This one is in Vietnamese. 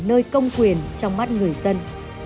nơi công quyền trong mắt người dân